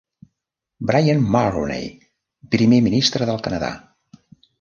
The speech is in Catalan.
Brian Mulroney, primer ministre del Canadà.